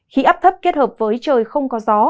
khi áp thấp kết hợp với trời không có gió